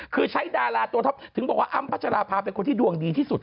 คือใช้ดาราตัวท็อปถึงบอกว่าอ้ำพัชราภาเป็นคนที่ดวงดีที่สุด